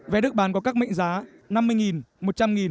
vé đức bán có các mệnh giá